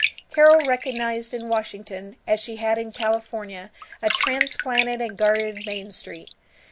Carol recognized in Washington as she had in California a transplanted and guarded Main Street.